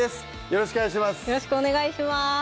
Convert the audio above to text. よろしくお願いします